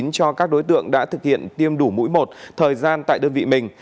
cho các đối tượng đã thực hiện tiêm đủ mũi một thời gian tại đơn vị mình